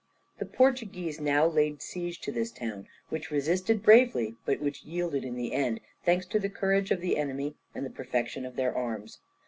The Portuguese now laid siege to this town, which resisted bravely but which yielded in the end, thanks to the courage of the enemy and the perfection of their arms.